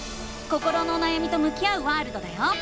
心のおなやみと向き合うワールドだよ！